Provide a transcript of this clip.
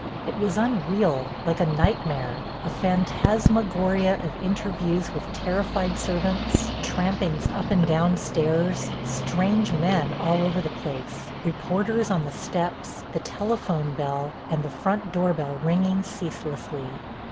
It was unreal, like a nightmare, a phantasmagoria of interviews with terrified servants, trampings up and down stairs, strange men all over the place, reporters on the steps, the telephone bell and the front door bell ringing ceaselessly.